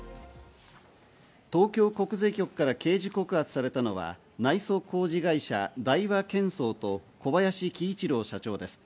東京国税局から刑事告発されたのは内装工事会社・大和建装と小林希一郎社長です。